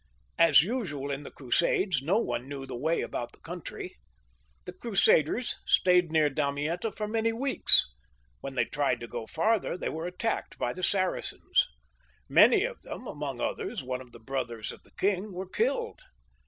As usual in the Crusades, no one knew the way about the country. The Crusaders stayed near Damietta for many weeks; when they tried to go farther, they were attacked by the Sara cens. Many of them, among others one of the brothers .of the king, were killed.